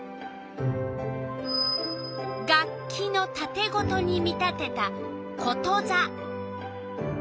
楽器のたてごとに見立てたことざ。